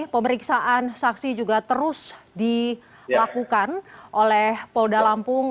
pemeriksaan saksi juga terus dilakukan oleh polda lampung